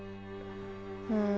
うん。